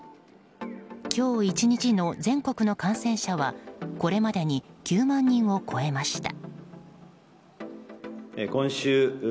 今日１日の全国の感染者はこれまでに９万人を超えました。